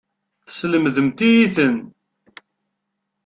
Teslemdemt-iyi-ten.